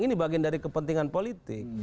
ini bagian dari kepentingan politik